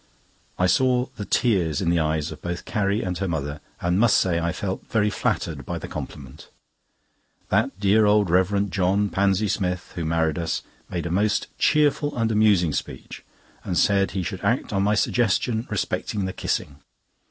I saw the tears in the eyes of both Carrie and her mother, and must say I felt very flattered by the compliment. That dear old Reverend John Panzy Smith, who married us, made a most cheerful and amusing speech, and said he should act on my suggestion respecting the kissing.